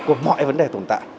của mọi vấn đề tồn tại